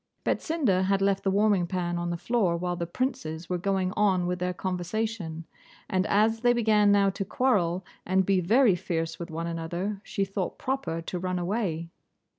Betsinda had left the warming pan on the floor while the princes were going on with their conversation, and as they began now to quarrel and be very fierce with one another, she thought proper to run away.